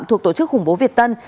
thuộc tổ chức khủng bố việt tân